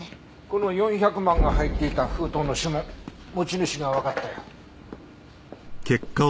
この４００万が入っていた封筒の指紋持ち主がわかったよ。